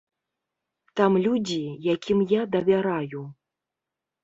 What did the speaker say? Там людзі, якім я давяраю.